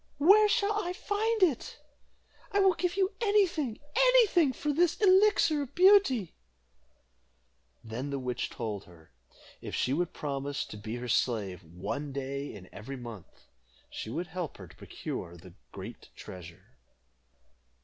"Where shall I find it? I will give you any thing any thing for this Elixir of Beauty." Then the witch told her, if she would promise to be her slave one day in every month, she would help her to procure the great treasure.